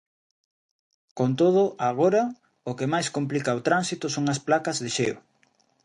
Con todo, agora, o que máis complica o tránsito son as placas de xeo.